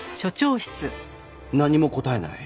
何も答えない？